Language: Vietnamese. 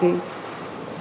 tôi cũng rất mong